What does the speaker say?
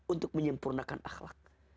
untuk menyempurnakan ahlak